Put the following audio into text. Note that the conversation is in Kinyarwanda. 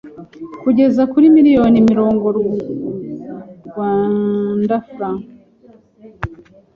kugeza kuri miliyoni mirongo Rwandan francs